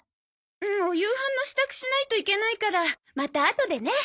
うんお夕飯の支度しないといけないからまたあとでね。